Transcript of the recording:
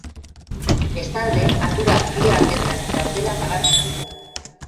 Bestalde, ardurak bi aldetan daudela nabarmendu du.